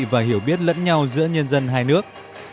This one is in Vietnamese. và hiểu biết lẫn nhau giữa nhân dân hai nước